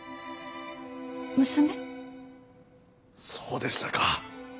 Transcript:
・そうでしたか。